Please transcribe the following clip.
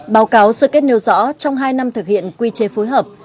báo cáo sơ kết nêu rõ trong hai năm thực hiện quy chế phối hợp